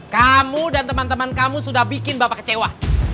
kamu dan teman teman kamu sudah bikin bapak kecewa